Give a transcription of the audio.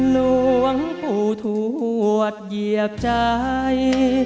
ร่วงผู้ถั่วเยียบใจ